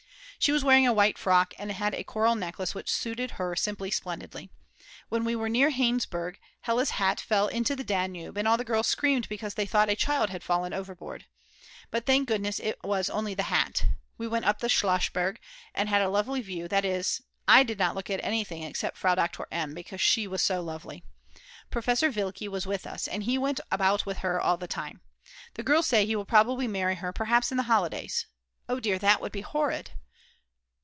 She was wearing a white frock and had a coral necklace which suited her simply splendidly. When we were near Hainburg Hella's hat fell into the Danube, and all the girls screamed because they thought a child had fallen overboard. But thank goodness it was only the hat. We went up the Schlossberg and had a lovely view, that is, I did not look at anything except Frau Doktor M. because she was so lovely; Professor Wilke was with us, and he went about with her all the time. The girls say he will probably marry her, perhaps in the holidays. Oh dear, that would be horrid.